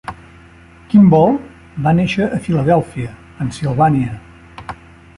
Kimball va néixer a Filadèlfia, Pennsilvània.